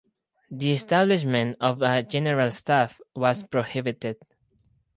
The establishment of a general staff was prohibited.